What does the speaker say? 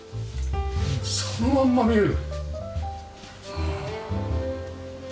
そのまんま見える。